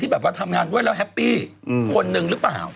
แบบว่าทำงานด้วยแล้วแฮปปี้คนนึงหรือเปล่า